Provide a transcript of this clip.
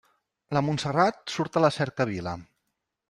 La Montserrat surt a la cercavila.